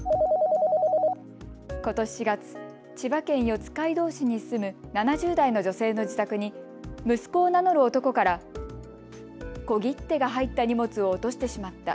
ことし４月、千葉県四街道市に住む７０代の女性の自宅に息子を名乗る男から、小切手が入った荷物を落としてしまった。